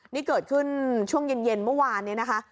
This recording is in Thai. นี่เกิดขึ้นช่วงเย็นเมื่อวานนี้นะคะ